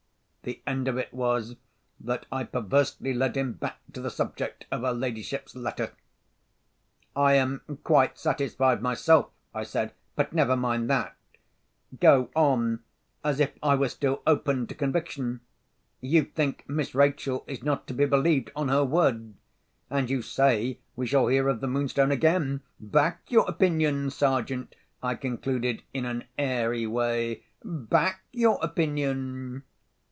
The end of it was that I perversely led him back to the subject of her ladyship's letter. "I am quite satisfied myself," I said. "But never mind that! Go on, as if I was still open to conviction. You think Miss Rachel is not to be believed on her word; and you say we shall hear of the Moonstone again. Back your opinion, Sergeant," I concluded, in an airy way. "Back your opinion."